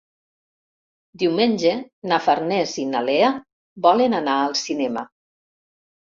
Diumenge na Farners i na Lea volen anar al cinema.